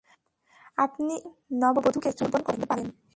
আপনি এখন নববধূকে চুম্বন করতে পারেন।